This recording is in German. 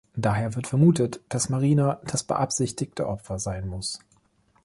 Daher wird vermutet, dass Marina das beabsichtigte Opfer sein muss.